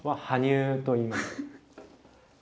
羽生といいます。